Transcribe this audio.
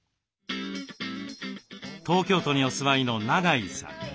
東京都にお住まいの長井さん。